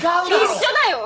一緒だよ！